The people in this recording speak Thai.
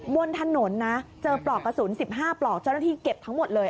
บนถนนเจอ๑๕ปลอกกระสุนเจ้าหน้าที่เก็บทั้งหมดเลย